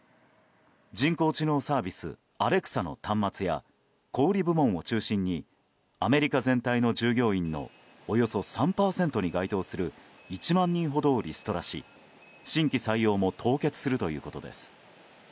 人工知能サービスアレクサの端末や小売部門を中心にアメリカ全体の従業員のおよそ３％に該当する１万人ほどをリストラし新規採用も凍結するということです。